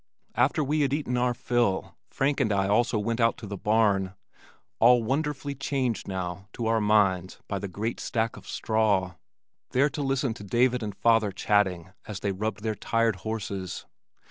After we had eaten our fill Frank and I also went out to the barn (all wonderfully changed now to our minds by the great stack of straw), there to listen to David and father chatting as they rubbed their tired horses.